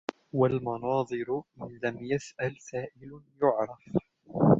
وَالْمَنَاظِرُ إنْ لَمْ يَسْأَلْ سَائِلٌ يُعْرَفُ